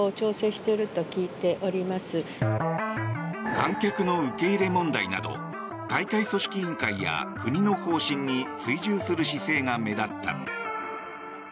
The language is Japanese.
観客の受け入れ問題など大会組織委員会や国の方針に追従する姿勢が目立った。